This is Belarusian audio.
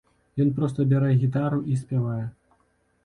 Ён проста бярэ гітару і спявае.